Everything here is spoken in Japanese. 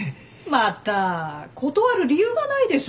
また断る理由がないでしょ。